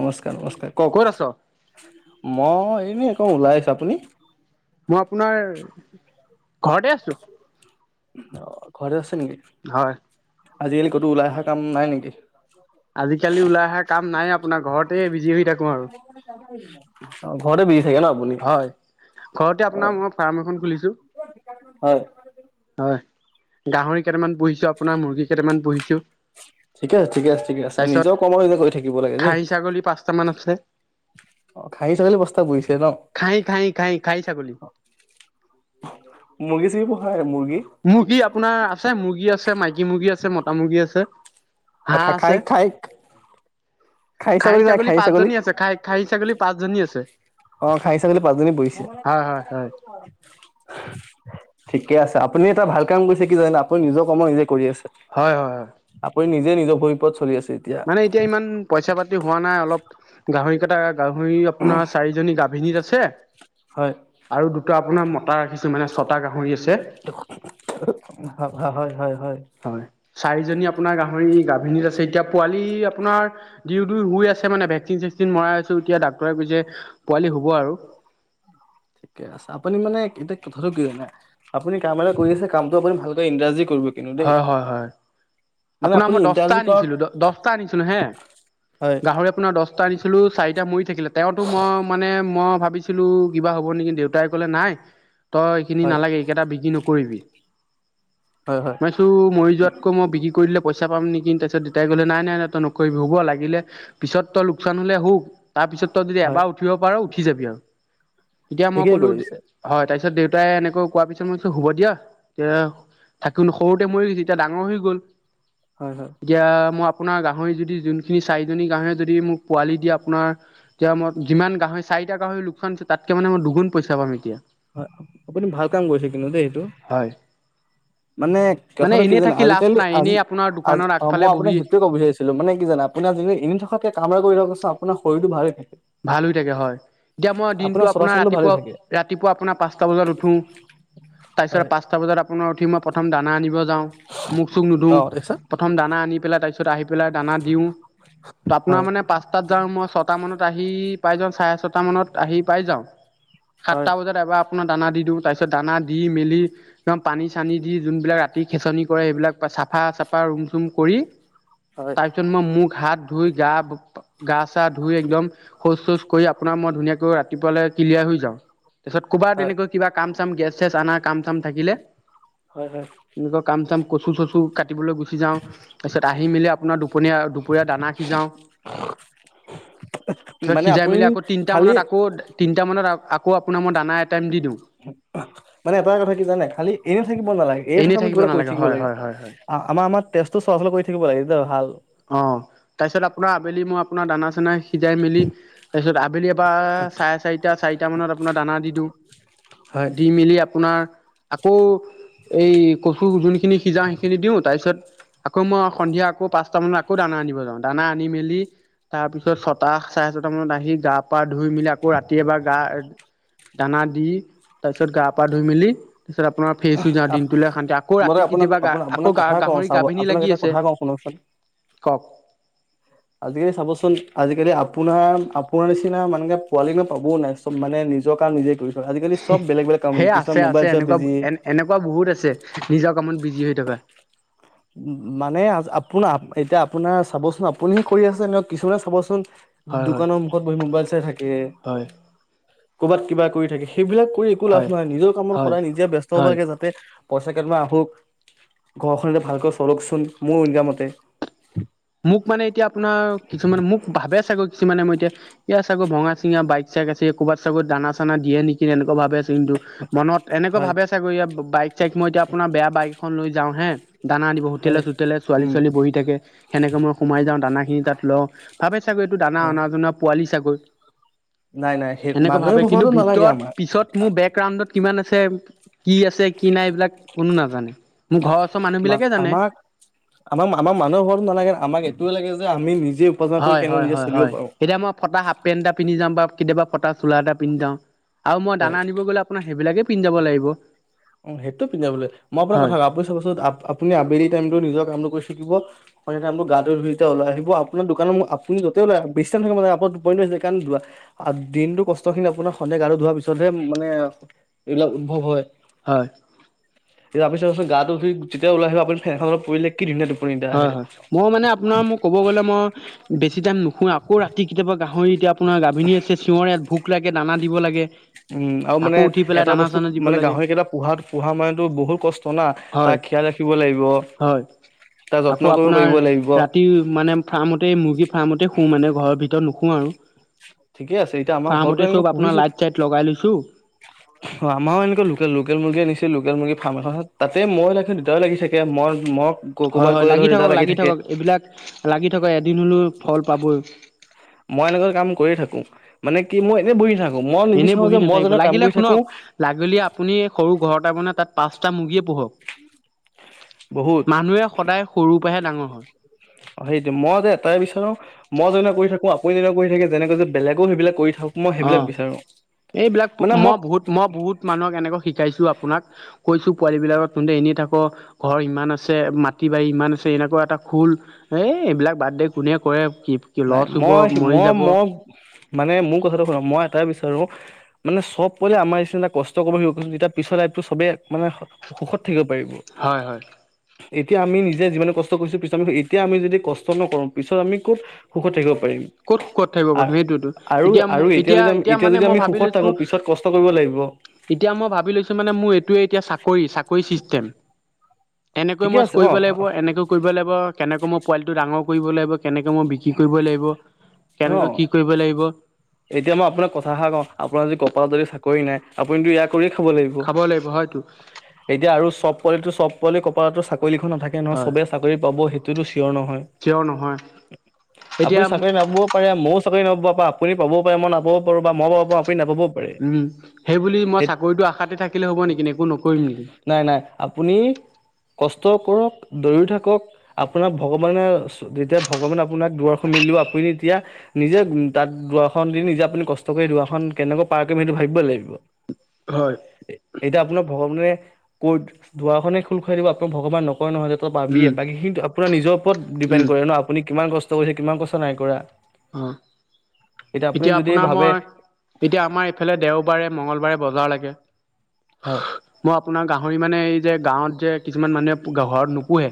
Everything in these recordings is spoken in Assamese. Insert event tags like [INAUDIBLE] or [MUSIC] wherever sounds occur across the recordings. নমস্কাৰ নমস্কাৰ ক'ত কওঁক আছ মই এনে ওলাই আহিছো, আপুনি? মই আপোনাৰ ঘৰতে আছোঁ। অ ঘৰতে আছা নেকি? আজিকালি ক'তো ওলাই অহা কাম নাই নেকি? আজিকালি ওলাই অহা কাম নাই আপোনাৰ ঘৰতে বিজি হৈ থাকো আৰু। অ ঘৰতে বিজি থাকে ন আপুনি হয় ঘৰতে অ আপোনাৰ মই ফাৰ্ম এখন খুলিছো। ছো হয়। হয় গাহৰি। কেইটামান পুহিছো আপোনাৰ মুৰ্গী কেইটামান পুহিছো ঠিকে আছে ঠিকে আছে ঠিকে আছে তাৰপিছত নিজৰ কৰ্ম নিজে কৰি থাকিব লাগে দেই খাহী ছাগলী পাঁচটামান আছে। অ খাহী ছাগলী পাঁচটা পুহিছে ন ঘাই ঘাই ঘাই ঘাই ছাগলী। মুৰ্গী চুৰগী পোহা নাই মুৰ মুৰ্গী আপোনাৰ আছে মুৰ্গী আছে মাইকী মুৰ্গী আছে মতা তা মুৰ্গী আছে। অ হাঁহ খা আছে খাইক খাইক খাহী ছাগলী পাঁচজনী আছে খাই খাহী ছাগলী পাঁচজনী আছে অ খাহী ছাগলী পাঁচজনী পুহিছে হয় হয় হয়। ঠিকে আছে আপুনি এটা ভাল কাম কৰিছে কি জানে আপুনি নিজৰ কৰ্ম নিজে কৰি আছে হয় হয় হয় আপোনি নিজে জেই নিজৰ ভৰিওপৰত চলি আছে। তেতিয়া মানে এতিয়া ইমান পইচা পাতি হোৱা নাই অলপ গাহৰি কেইটা গাহৰি আপোনাৰ চাৰিজনী গাভিনীত ছে হয় আৰু দুটা আপোনাৰ মতা ৰাখিছোঁ মানে ছঁটা গাহৰি আছে। চে হয় হয় হয় হয় চাৰিজনী আপোনাৰ গাহৰি গাভিনীত আছে এতিয়া। পোৱালি আপোনাৰ দিও দু শুই আছে মানে ভেকচিন চেকচিন মৰাই আছো এতিয়া ডাক্তৰে কৈছে পোৱালি হব আৰু। ঠিকে আছে আপুনি মানে এতিয়া কথাটো কি হয় নাই আপুনি কাম এটা কৰি আছে কামটো আপুনি ভালকৈ ইংৰাজী কৰিব কিনো দেই। হয় হয় হয় মানে আপোনাৰ আপুনি মই দছটা ইংৰাজী কৰক আনিছিলো দছটা আনিছিলো হে হয় গাহৰি আপোনাৰ দছটা আনিছিলো চাৰিটা মৰি থাকিলে তেওঁতো মই মানে মই ভাবিছিলো কিবা হ'ব নেকি দেউতাই কলে নাই তই এইখিনি হয় নালাগে এইকেইটা বিক্ৰী নকৰিবি হয় হয় [UNINTELLIGIBLE] মই চো মৰি যোৱাতকৈ মই বিকি পইচা পাম নেকি তাছত দেতাই কলে নাই নাই নাই তই নকৰিবি হ'ব লাগিলে পিছত তই লোকচান হলে হুক তাৰপিছত তই যদি হয় এবাৰ উঠিব পাৰ উঠি যাবি আও এতিয়া মই ঠিকেই ক'লো দি কৰিছে হয় তাইছ- ছত দেউতাই এনেকৈ কোৱাৰ পিছত মই হুব দিয়া এতিয়া থাকি সৰুতে মৰি গৈছে এতিয়া ডাঙৰ হৈ গ'ল হয় হয় এতিয়া মই আপোনাৰ গাহৰি যদি যোনখিনি চাৰিজনী গাহৰি যদি মোক পোৱালি দিয়ে আপোনাৰ এতিয়া ম যিমান গাহই চাৰিটা গাহৰি লোকচানছে তাতকে মানে মই দুগুণ পইচা পাম এতিয়া হয় আপুনি ভাল কাম কৰিছে কিন্তু দেই সেইটো হয় মানে মানে কথাটো কি এনেই জানা থাকি লাভ আজিকালি নাই আজি এনেই আপোনাৰ আজ দোকানৰ অ আগফালে মই আপোনাক বহি সেইটোৱে কব বিচাৰিছিলো মানে কি জানা আপোনা জিনি এনেই থকাতকে কাম আৰু কৰি থকা চাম আপোনাৰ শৰীৰ টো ভালে ৰাখে ভাল হৈ থাকে হয় এতিয়া মই দিনটো আপোনাৰ চলাচলটো ভালে ৰাতিপুৱা থাকে ৰাতিপুৱা পোৱা আপোনাৰ পাঁচটা বজাত উঠুং তাপিচত হয় পাঁচটা বজাত আপোনাৰ উঠি মই প্ৰথম দানা আনিব যাওঁ মুখ চুখ নুধু অ তাৰপিছত প্ৰথম দানা আনি পেলাই তাপিছ- আহিব পেলাই দানা দিওঁ ত আপোনাৰ হয় মানে পাঁচটাত যাও মই ছয়টা মানত আহি পাই যাওঁ চাৰে ছটামানত আহি পাই যাওঁ হয় সাতটা বজাত এবাৰ আপোনাৰ দানা দি দিওঁ তাৰ পিছত দানা দি মেলি দম পানী চানী দি যোনবিলাক ৰাতি খেচনি কৰে সেইবিলাক চাফা চাফা ৰুম চুম কৰি হয় তাৰপিছত মই মোক হাত ধুই গা গা চা ধুই একদম শৌচ চোচ কৰি আপোনাৰ মই ধুনিয়াকৈ ৰাতিপুৱালে ক্লিয়াৰ হৈ যাওঁ। পিছত ক'বাত হয় তেনেকুৱা কিবা কাম চাম গেছ চেছ অনা কাম চাম থাকিলে হয় হয় এনেকুৱা কাম চাম কচু চচু কাটিবলৈ গুচি যাওঁ তাৰপিছত আহি মেলি আপোনাৰ দুপনীয়া দুপৰীয়া দানা সিজাওঁ তাৰপছত মানে সিজাই আপুনি মেলি আকৌ তিনিটা খালি মানত আকৌ তিনিটা মানত আকৌ আপোনাৰ মই দানা এটাটাইম দি দিওঁ। মানে এটা কথা কি জানে? খালি এনে থাকিব নালাগে এনে এনেই থকা আমি কিবাটা কৰি নালাগে থাকিব হয় লাগে হয় হয় হয় আমাৰ আমাৰ তেজটো চলাচল কৰি থাকিব লাগে! এই ভাল, অঁ তাৰপিছত আপোনাৰ আবেলি মই আপোনাৰ দানা চানা সিজাই মেলি তাৰপিছত। আবেলি পৰা চাৰে চাৰিটা চাৰিটা মানত আপোনাৰ দানা দি দিওঁ হয়। দি মেলি আপোনাৰ আকৌ এই কচু যোনখিনি সিজাও সেইখিনি দিওঁ তাৰ পিছত আকৌ মই সন্ধিয়া আকৌ পাচ পাঁচটা মানত আকৌ দানা আনিব যাওঁ দানা আনি মেলি তাৰপিছত ছটা চাৰে ছটা মানত আহি গাপ পা ধুই মেলি আকৌ ৰাতি এবাৰ গা। দানা দি তাৰ পিছত গা পা ধুই মেলি তাৰপিছত আপোনাৰ ফেচ হৈ যাওঁ দিনটোলৈ শান্তি আকৌ মই তাক ৰাতি আপোনাক কেতিয়াবা আপোনাক আকৌ কথা কওঁ গাহৰি চাব গাভিনী আপোনাক লাগি এটা আছে কথা কওঁ শুনকচোন। কওঁক। আজিকালি চাবচোন আজিকালি আপোনাৰ আপোনাৰ নিচিনা মানকে পোৱালিক নো পাবওঁ নাই চব মানে নিজৰ কাম নিজে কৰিছে সেই আছে আছে চোৱাত এনেকুৱা বিজি এ এনেকুৱা বহুত আছে নিজৰ কামত বি উ মানে আ আপোন। এতিয়া আপোনাৰ চাবচোন আপুনিহে কৰি আছে এনেও কিছুমানে চাবচোন হয় হয় দোকানৰ মুখত বহি মোবাইল চাই থাকে হয় ক'ৰবাত কিবা কৰি থাকে। সেইবিলাক কৰি একো লাভ হয় নহাই নিজৰ কামত হয় সদায় নিজে ব্যস্ত হব হয় লাগে যাতে। পইচা কেইটবা আহোক ঘৰখৰে ভালকৈ চলকচোন মোৰ উনক মতে। মোক মানে এতিয়া আপোনাৰ কিছুমানে মোক ভাবে চাগৈ কিছুমানে মই এতিয়া এতিয়া চাগৈ ভঙা-চিঙা বাইক চাইক আছে ক'ৰবাত চাগু দানা চানা দিয়ে নেকি এনেকুৱা ভাবে কিন্তু মনত এনেকুৱা হয় ভাবে চাগৈ ই বাইক চাই মই এতিয়া আপোনাৰ বেয়া বাইক খন লৈ যাওঁ হে। দানা দিব হোটেলে হয় চোটেলে ছোৱালী উম ছোৱালী বহি থাকে। সেনেকৈ মই সোমাই যাওঁ দানাখিনিত লওঁ। তাপে। চাগৈ এইটো দানা অ অনাজনা পোৱালি আকৈ নাই নাই সেই সেনেকৈ মানুহে ভাৱে কিন্তু ভবাটো নালাগে ভিতৰত আমাৰ পিছত মোৰ বেক ৰাউডত কিমান আছে কি আছে কি নাই এইবিলাক কোনো নাজানে। মোৰ ঘৰৰ ওচৰ মানুহ ম বিলাকে জানে আমাক আমাক আমাৰ মানুহ হৰ নালাগে আমাক এইটোয়ও লাগে যে আমি নিজ হয়, হয় হয় হয়, এতিয়া মই ফটা হাফ পেণ্ট এটা পিন্ধি যাম বা কেতিয়াবা? কটা চলা এটা পিন্ধিা জাওঁ আৰু মই হয় দানা আনিব গ'লে আপোনাৰ সেইবিলাকে পিন্ধ যাব লাগিব। অ সেইটো পিন্ধ যাব লাগিব। মই আপুনাক হয় কথা ক আপুনি চাবচোন আপুনি আবেলি টাইমতো নিজৰ কামটো কৰি থাকিব সন্ধাই গাটো ধুইতে ওলাই আহিব। আপোনাৰ দোকানত ম আপুনি যতে ওলাই আহক বেছ টাইম থাকিব নালাগে, আকৌ টোপনি ধৰি যাই কাৰণ দিনটোৰ কষ্ট খিন আপোনাৰ সন্ধিয়া গাটো ধোৱাৰ পিছতহে মানে এইবিলাক উদ্ভৱ হয়। হয়। [UNINTELLIGIBLE] গাটো ধুই যেতিয়া উলাই আহিব আপুনি ফেনখনত পৰিলে কি ধুনীয়া টোপনি এটা আহে হয় হয় মই মানে আপোনাৰ মোক ক'ব গ'লে মই বেছি টাইম নুশু আও। আকৌ ৰাতি কেতিয়াবা গাহৰি এতিয়া আপোনাৰ গাভিনীছে চিঞৰে ভোক লাগে দানাত দিব লাগে। উম আৰু মানে আকৌ উঠি পেলাই এটা দানা বস্তু চানা দিব মানে লাগে গাহৰিকেইটা পোহাত পোহা মানো বহুত কষ্ট না হয় তাক খীয়াল ৰাখিব লাগিব, হয় তাৰ যত্ন আকৌ কৰিব আপোনাৰ পাৰিব লাগিব ৰাতি মানে ফাৰ্মতে মুৰ্গী ফাৰ্মতে শু মানে ঘৰত। ভিতৰত নুশু আৰু। ঠিকে আছে এতিয়া আমাৰ ঘৰটো ফাৰ্মতে এনিলো চব আপোনাৰ পুহিছো। লাইট চাইট লগাই লৈছো অ আমাৰো এনেকুৱা লোকেল লোকেল মুৰ্গী আনিছে। লোকেল মুৰ্গী ফাৰ্ম এখনত তাতে মই [UNINTELLIGIBLE] দেতাইও লাগি চাগে মই মোক হয় হয় লাগি থাকক লাগি থাকক, এইবিলাক লাগি থাকক এদিন হলেও ফল পাবই। মই এনেকুৱা কাম কৰিয় থাকো। মানে কি মই এনে বহি থাকো মই এনেই নিবিচাৰো বহি যে মই নাথাকিব যেনে কাম লাগিলে কৰি শুনক লাগলি আপুনি সৰু ঘৰ এটা বনা তাত পাঁচটা মুৰ্গীয়ে পোহক। বহুত মানুহে সদায় সৰু পৰাহে ডাঙৰ হয়। [INAUDIBLE] অ সেইটো মই যে এটাই বিচাৰো, মই যেনে কৰি থাকো আপুনি যেনে কৰি থাকে যেনেকে যে বেলেগো সেইবিলাক কৰি থাক অ এইবিলাক মানে মই মোক বহুত মই বহুত মানুহক এনেকুৱে শিকাইছো আ আপোনাক কৈছোঁ পোৱালিবিলাকত তন্ততে এনেই থাকো ঘৰ ইমান আছে মাটি বাৰী ইমান আছে, এনেকুৱা এটা খোল এই এইবিলাক বাদডে কোনে কৰে কি কি নাই লছ হব মই মৰি মই যাব মই মানে মোৰ কথাটো শুনা মই এটা বিচাৰো, মানে চব পলে আমাৰ নিচি কষ্ট কৰিব লাগিব, তেতিয়া পিছৰ লাইফতটো চবেই মানে সুখত থাকিব। পাৰিব হয় হয় এতিয়া আমি নিজ যেতিয়া যিমান কষ্ট কৰিছো পিছত আমি এতিয়া আমি যদি কষ্ট নকৰো পিছত আমি ক'ত? সুখত থাকিব পাৰিম কত সুখত থাকিব পাৰিম আৰু সেইটোৱেটো আৰু এতিয়া আৰু এতিয়া যদি আমি এতিয়া মানে যদি মই আমি ভাবি সুখত লৈছো থাকো পিছত কষ্ট কৰিব লাগিব এতিয়া মই ভাবি লৈছো মানে মোৰ এইটোৱে এতিয়া চাকৰি চাকৰি চিষ্টেম এনেকৈ ঠিকে মই আছে অ কৰিব লাগিব এনেকৈ কৰিব লাগিব কেনেকৈ মই পোৱালিটো ডাঙৰ কৰিব লাগিব কেনেকে মই বিক্ৰী কৰিব লাগিব কেনেকৈ অহ কি কৰিব লাগিব এতিয়া মই আপোনাক কথা এষাৰ কওঁ, আপোনাৰ যদি কপালত যদি চাকৰি নাই আপুনিটো ইয়াক কৰি খাব লাগিব লাগিব হয়তো এতিয়া আৰু চব পোৱালিটো চব পোৱালি কপালটো চাক কৰি লিখন নাথাকে নহয় হয় সবেই চাকৰি পাব সেইটো তুল চি চিয়ৰ নহয় কিয় নহয় আপুনি এতিয়া চাকৰি নাপাব। চাকৰি নাপ বা আপুনি পাব পাৰে মই নাপাব পাৰো বা মই পাব পাৰোঁ উম 'সেইবুলি মই চাকৰিটো আশাতে থাকিলে হ'ব নেকি একো নকৰিম নেকি? নাই নাই আপুনি কষ্ট কৰক দৌৰিও থাকক আপোনাক ভগৱানে যেতিয়া ভগৱানে আপোনাক দুৱাৰ খন মেলিব আপুনি তেতিয়া নিজে তাত দুৱাৰখন দি নিজে আপুনি কষ্ট কৰি দুৱাৰখন কেনেকৈ পাৰ কৰিম সেইটো ভাবিব লাগিব। হয়। উমহ আপোনাক ভগৱানে ক' দুৱাৰখনে খোল খুৱাই দিব আপোনাৰ ভগৱান নক নকয় নহয় যে তই পাবিয়ে উম বাকী খিনি আপোনাৰ নিজৰ ওপৰত ডিপেণ্ড উম কৰে ন আপুনি কিমান কষ্ট কৰিছে কিমান কষ্ট নাই কৰা। অহ, আপুনি এতিয়া যদি আপোনাৰ ভাবে মই এতিয়া আমাৰ এইফালে দেৱবাৰে মঙ্গলবাৰে বজাৰ লাগে লাগে। হয় [INAUDIBLE] মই আপোনাৰ গাহ হৰি মানে এই যে গাঁৱত যে কিছুমান মানুহে। গাহৰত নো পুনে,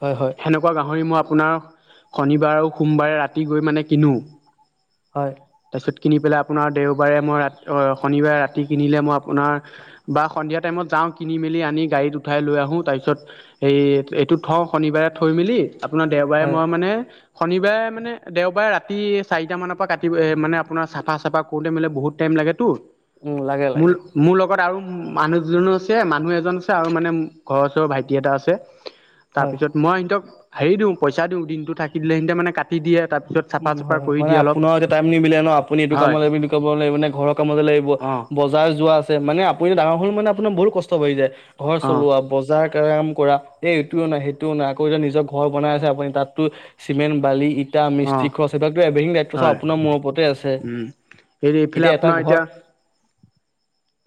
হয় হয় সেনেকুৱা গাহৰি মই আপোনাৰ শনিবাৰো সোমবাৰে ৰাতি গৈ মানে কিনো। হয়। তাত কিনি পেলাই আপোনাৰ দেওবাৰে মই ৰাতি শনিবাৰে ৰাতি কিনিলে মই আপোনাৰ বা সন্ধিয়া টাইমত যাওঁ কিনি মেলি আনি গাড়ীত উঠাই লৈ আহোঁ তাৰপিছত এই এইটো থওঁ শনিবাৰে থৈ মেলি আপোনাৰ দেওবাৰে হয় মই মানে শনিবাৰে মানে দেওবাৰে ৰাতি চাৰিটামান পা কাটি মানে আপোনাৰ চাফা চাফা কৰোঁতে মেলোতে বহুত টাইম লাগেতো উম লাগে মোৰ লাগে মোৰ লগত আৰু উম, মানুহজনো আছে মানুহ এজন আছে আৰু মানে ঘৰৰ ওচৰৰ ভাইটি এটা আছে। হয় তাৰপিছত মই সিহঁতক। হেৰি দিও, পইচা দিও দিনটো থাকে। দিলে সিহঁতে মানে কাট উম হয় হয়, মানে আপোনাৰ এতিয়া টাইম নিমিলে ন আপুনি এইটো কাম হয় বুলি ক লাগিব নে ঘৰৰ কামতে লাগিব অ বজাৰ যোৱা আছে মানে আপুনিতো ডাঙৰ মানে আপোনাৰ বহু কষ্ট হৈ যায়। ঘৰ অ চলোৱা বজাৰ। এটা কাম কৰা এই এইটোও নাই সেইটোও নাই আকৌ এতিয়া নিজৰ ঘৰ বনাই আছে আপুনি তাততো চিমেণ্ট, বালি ইটা এয়া অ মিস্ত্ৰী খৰচ এই বিলাকতো এভ্ৰিথ্ৰিং দায়িত্ব চব হয় আপোনাৰ মোৰৰ ওপৰতে আছে। উম হেৰি এইফালে এতিয়া এটা আপোনাৰ ঘৰ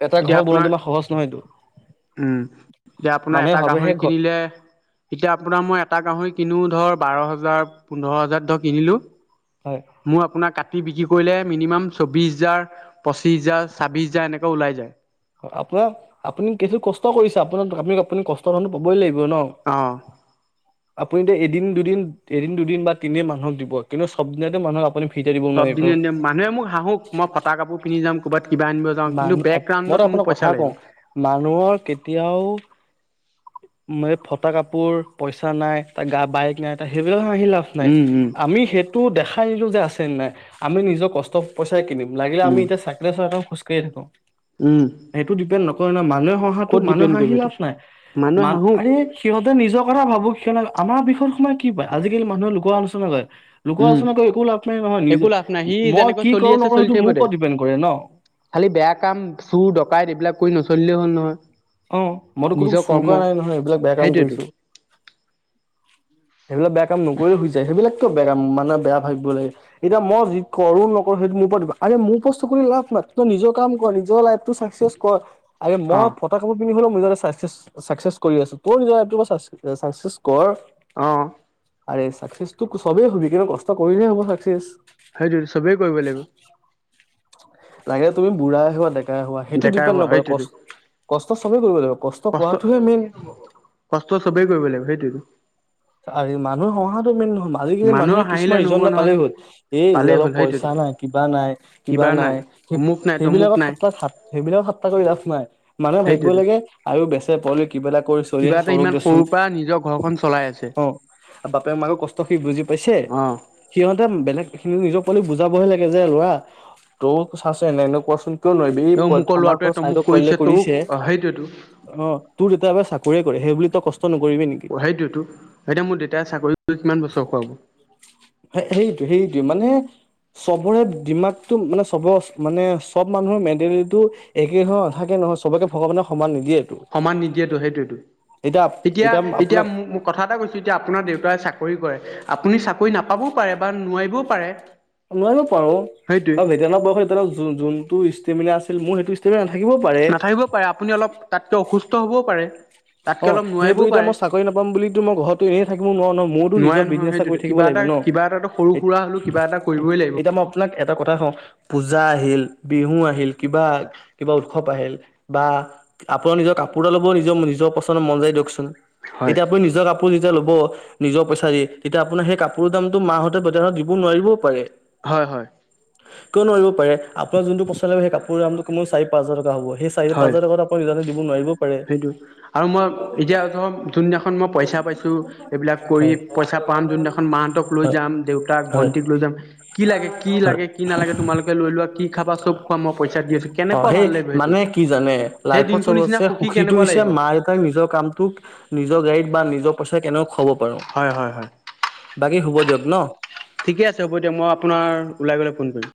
এটা এতিয়া ঘৰ আপোনাৰ, বনোৱাটো ইমান সহজ নহয়তো উম এতিয়া আপোনাৰ মানুহে এটা ভাবেহে গাহৰি ঘৰ কিনিলে, এতিয়া আপোনাৰ মই এটা গাহৰি কিনো ধৰ বাৰ হাজাৰ, পোন্ধৰ হাজাৰ ধৰ কিনিলো হয় মোৰ আপোনাৰ কাটি বিক্ৰী কৰিলে মিনিমাম চৌবিশ হাজাৰ, পচিশ হাজাৰ, ছাব্বিশ হাজাৰ এনেকে ওলাই যায়। আপোনাক আপুনি কিছু কষ্ট কৰিছে আপোনাক আপ আপুনি কষ্টৰ ধনটো পাবই লাগিব। অহ। আপুনিতো এদিন, দুদিন, এদিন, দুদিন বা তিনদিন মানুহক দিব। কিন্তু চব দিনতে মানুহক আপুনি ফ্ৰীতে দিব চব নোৱাৰিব। দিনে দিনেই। মানুহে মোক হাঁহোক মই ফটা কাপোৰ পিন্ধি যাম ক'বাত মান মইতো আপোনাক কথা কও, লাগিব। মানুহৰ কেতিয়াও মই ফটা কাপোৰ, পইচা নাই তাৰ গা বাইক নাই ত সেইবোৰ হাঁহি লাভ নাই। উম উম আমি সেই তো দেখাই দিলো যে আছে নাই, আমি নিজৰ কষ্ট পইচা কিনিম। লাগিলে আমি উম এতিয়া চাইকেলে চলাই থাক খোজকাঢ়িয়ে থাকো। উম সেইটো ডিপেণ্ড নক ৰে ন' মানু্হে হঁহাটো ক'ত মানুহ ডিপেণ্ড কৰিব হাঁহি এইটো লাভ নাই, মানুহে মা হাঁহোক আৰে সিহঁতে নিজৰ কথা ভাব সেইকাৰণে আমাৰ বিষয়ত সোমাই কি পায়? আজিকালি মানুহে লোকৰ আলোচনা কৰে। লোকৰ উম আলোচনা কৰি একো লাভ নাই নহয়। একো নিজে লাভ নাই সি মই যেনেকৈ কি চলি কৰো আছে নকৰো চলি সেইটো থাকিব মোৰ দে। ওপৰত ডিপেণ্ড কৰে ন'। খালি বেয়া কাম চোৰ, ডকাইত এইবিলাক কৰি নচলিলেই হ'ল নহয়। অ' মইতো কোনো নিজৰ চুৰ কৰ্ম কৰা নাই নহয়, এইবিলাক বেয়া কাম সেইটোৱেতো কৰিছো। সেইবিলাক বেয়া কাম নকৰি হৈ যায়, সেইবিলাকতো বেয়া মানুহে বেয়া ভাবিব লাগে। এতিয়া মই যি কৰো নকৰো সেইটো মোৰ ওপৰত ডিপেণ্ড। আৰে মোৰ উপৰত চকু দি লাভ নাই, তই নিজৰ কাম কৰ, নিজৰ লাইভ চাকচেচ কৰ। আৰে অ মই কৰি হ'লেও মই নিজে চাকচেচ -চাকচেচ কৰি আছো। তই নিজৰ লাইভটো এবাৰ চাক-চাকচেচ কৰ অহ। আৰে চাকচেচটো চবেই হবি, কিন্তু কষ্ট কৰিলেহে হ'ব চাকচেচ। সেইটোৱেটো চবেই কৰিব লাগিব। লাগিলে তুমি বুঢ়ায়ে হোৱা ডেকা হোৱা সেইটো ডেকাই ডিপেন হোৱা নকৰে। সেইটোতো কষ্ট কষ্ট চবে কৰিব লাগিব কষ্ট কৰাটোহে মেইন, কষ্ট চবেই কৰিব লাগিব সেইটোতো আৰে মানুহে হহা মেন নহয় [UNINTELLIGIBLE] মানুহে মানুহৰ হাঁহিলে কিছুমান ৰিজন নহ'ব এটা নহয় পালেই হ'ল। এ ই পালেই অলপ হ'ল পইচা সেইটোতো নাই, কিবা নাই, কিবা নাই। সে- অমুক নাই তমুক সেইবিলাকত নাই টা সেইবিলাকত থাত্টা কৰি লাভ নাই। ভাবিব সেইটোৱেতো লাগে আৰু বেচেব। পলৈক। কিবেলা কৰি চলি কিবা আছে এটা চনুক ইমান দেচোন। সৰুৰ পৰা নিজৰ ঘৰখন চলাই আছে অ বাপেৰ মাক কষ্ট সি বুজি পাইছে অ সিহঁতে বেলেগ। এইখিনি নিজৰ পোৱালি বুজাবহে লাগে যে লৰা তোৰ চাইছে এনে এনে কোৱাচোন। কিয় নোৱাৰিবি? এই এ পোৱাত অমুকৰ আমাৰ ল'ৰাটোৱে ঘৰৰ তমুক চাইদৰ পোৱালি কৰিছে তৌক সেইতোৱেটো। তোৰ যেতিয়াবা চাকৰীয়ে কৰে সেইবুলিয়ে কষ্ট নকৰিবি নেকি সেইটোৱেটো, এতিয়া মোৰ দেউতাই চাকৰি কিমান বছৰ খোৱাব। সে সেইটো সেইটো মানে। চবৰে দিমাগটো মানে চব মানে চব মানুহৰ মেণ্টেলিটিটো একে নাথাকে নহয় চবকে ভগৱানে সমান নিদিয়ে। সমান নিদিয়েতো সেইটোয়েতো এতিয়া এতিয়া মোক কথা এটা কৈছো এতিয়া আপোনাৰ দেউতাই চাকৰি কৰে। আপুনি চাকৰি নাপাবও পাৰে বা নোৱাৰিবও পাৰে। নোৱাৰিব পাৰো সেইটোৱে আৰু [UNINTELLIGIBLE] যোনটো তিমিলে আছিল মোৰ সেইটো ষ্টৰি- নাথাকিব পাৰে আপুনি অলপ তাতকৈ অসুস্থ। ত হ'বও পাৰে। তাতকে অ অলপ সেই নোৱাৰিবও বুলি এতিয়া পাৰে মই চাকৰি নাপাম বুলি মই ঘৰতো এনেই থাকিব নোৱাৰো ন মইতো নোৱাৰে নিজৰ নহয় বিজনেচ এটা কৰি সেইটোতো থাকিব কিবা লাগিব এটা ন কিবা এটাতো সৰু সুৰা হলেও কিবা এটা কৰিবই লাগিব এতিয়া মই আপোনাক এটা কথা কওঁ। পূজা আহিল বিহু আহিল কিবা কিবা উৎসৱ আহিল বা আপোনাৰ নিজৰ কাপোৰডাল লব নিজৰ নিজৰ পছ- মন যাই দিয়কচোন। হয় এতিয়া আপুনি নিজৰ কাপোৰ। যে ল'ব নিজৰ পইচা দি তেতিয়া আপোনাৰ সেই কাপোৰৰ দামটো মাহতে বেজাৰত দিব নোৱাৰিবও পাৰে। হয় হয়। কিয় নোৱাৰিব পাৰে আপোনাক যোনটো পইচা লাগে সেই কাপোৰৰ দামটো চাৰি পাঁচ হাজাৰ টকা হ'বই। সেই চাৰি পাঁচ হাজাৰ টকা আপোনাক [UNINTELLIGIBLE] দিব নোৱাৰিবও। পাৰে সেইটোৱে। আৰু মই এতিয়া ধৰ যোনদিনাখন মই পইচা পাইছো, এইবিলাক কৰি হয় পইচা পাম যোনদিনাখন মাহতক লৈ হয় যাম দেউতাক হয় ভন্টিক লৈ যাম। কি লাগে কি হয় লাগে কি নালাগে তোমালোকে লৈ লোৱা কি খাবা চব খোৱা মই পইচা দি আছো। অ কেনেকুৱা সেই ভাল লাগিব সেইটো, মানে কি জানে সেই লাইফত দিনটোৰ নিচিনা চবতছে সুখ কি সুখীটো কেনেকুৱা হৈছে লাগিব। মা দেউতাক নিজৰ কামটোক নিজৰ গাড়ীত বা নিজৰ পইচা খোৱাব। হয় হয় হয় বাকী শুব দিয়ক। ন? ঠিকে আছে, হ'ব দিয়া। মই আপোনাৰ ওলাই গলে ফোন কৰিম।